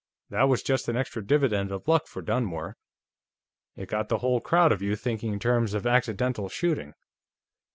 That was just an extra dividend of luck for Dunmore; it got the whole crowd of you thinking in terms of accidental shooting.